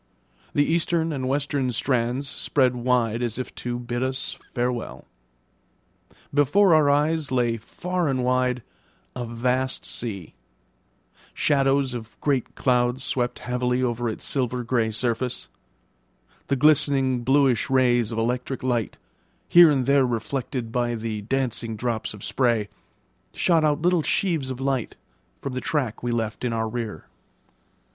The eastern and western strands spread wide as if to bid us farewell. Before our eyes lay far and wide a vast sea; shadows of great clouds swept heavily over its silver grey surface; the glistening bluish rays of electric light, here and there reflected by the dancing drops of spray, shot out little sheaves of light from the track we left in our rear.